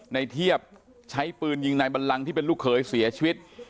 ในเทียบใช้ปืนยิงนายบัลลังที่เป็นลูกเขยเสียชีวิต